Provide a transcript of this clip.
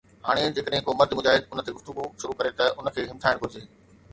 هاڻي جيڪڏهن ڪو مرد مجاهد ان تي ”گفتگو“ شروع ڪري ته ان کي همٿائڻ گهرجي؟